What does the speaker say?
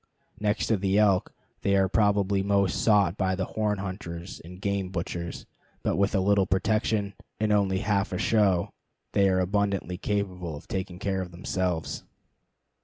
Next to the elk, they are probably most sought by the horn hunters and game butchers; but with a little protection, and only half a show, they are abundantly capable of taking care of themselves.